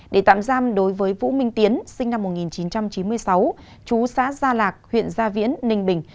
để tạm giam đối với vũ minh tiến sinh năm một nghìn chín trăm chín mươi sáu chú xã gia lạc huyện gia viễn ninh bình